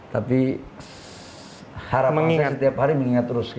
tapi harapan saya setiap hari mengingat terus